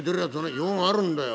用があるんだよ。